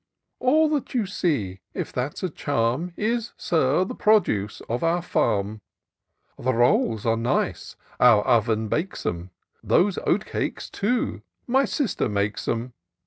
" All that you see,— if that's a charm, — Is, Sir, the produce of bur farm : The rolls are nice, our oven bakes 'em ; Those oat cakes too, my sister makes 'em.